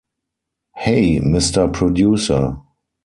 Hey, Mr. Producer!